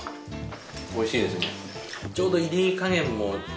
おいしいですね。